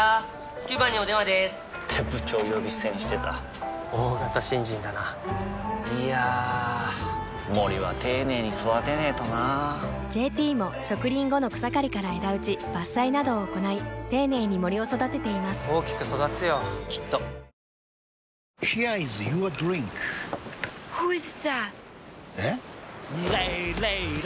９番にお電話でーす！って部長呼び捨てにしてた大型新人だないやー森は丁寧に育てないとな「ＪＴ」も植林後の草刈りから枝打ち伐採などを行い丁寧に森を育てています大きく育つよきっとアロマのエッセンス？